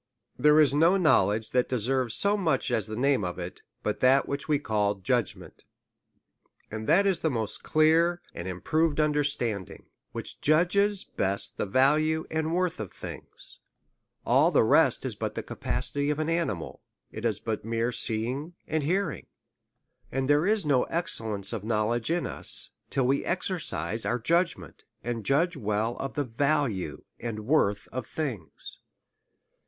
There is no knowledge that deserves so much as the name of it, but that which we call judgment. And that is the most clear and improved understanding, which judges best of the value and worth of things; all the rest is but the capacity of an animal, is but mere seeing and hearing. And there is no excellence of any knowledge in us, till we exercise our judgment, and judge well of the value and worth of things.